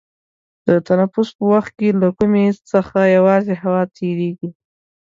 د تنفس په وخت کې له کومي څخه یوازې هوا تیرېږي.